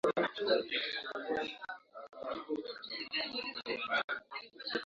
maziwa hunywewa na kila mtu kwa sikuMaziwa hayo hutumika sanasana kama maziwa lala